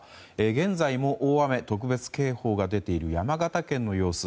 現在も大雨特別警報が出ている山形県の様子